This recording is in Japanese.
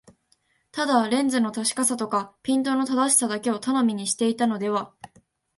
ただレンズの確かさとかピントの正しさだけを頼みにしていたのでは、